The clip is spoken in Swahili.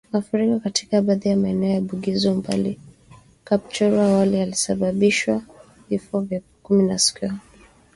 Mafuriko katika baadhi ya maeneo ya Bugisu, Mbale na Kapchorwa awali yalisababisha vifo vya watu kumi siku ya Jumapili.